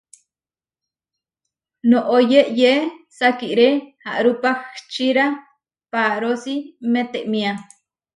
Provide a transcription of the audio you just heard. Noʼó yeyé sakiré aʼrupahčira paarósi metémia.